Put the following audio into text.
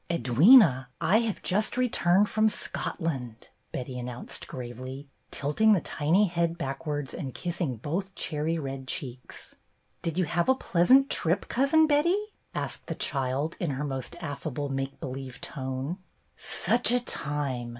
"Edwyna, I have just returned from Scot land!" Betty announced gravely, tilting the tiny head backwards and kissing both cherry red cheeks. "Did you have a pleasant trip. Cousin Betty?" asked the child, in her most affable make believe tone. "Such a time!"